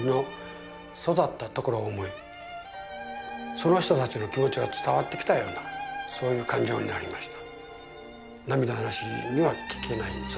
その人たちの気持ちが伝わってきたようなそういう感情になりました。